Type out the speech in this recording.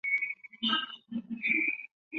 经纪公司为日本音乐娱乐。